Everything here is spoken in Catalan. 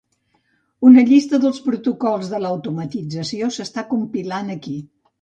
Una llista dels protocols de l'automatització s'està compilant aquí.